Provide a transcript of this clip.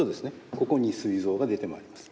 ここにすい臓が出てまいります。